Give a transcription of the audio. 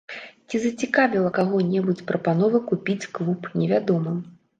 Ці зацікавіла каго-небудзь прапанова купіць клуб, невядома.